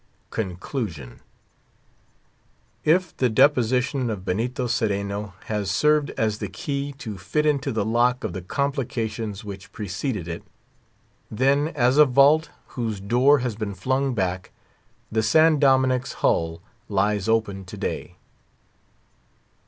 DOCTOR ROZAS. If the Deposition have served as the key to fit into the lock of the complications which precede it, then, as a vault whose door has been flung back, the San Dominick's hull lies open to day.